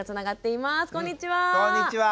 こんにちは！